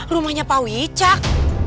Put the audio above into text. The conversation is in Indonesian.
rumahnya pak wicak